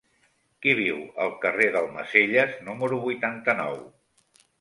Qui viu al carrer d'Almacelles número vuitanta-nou?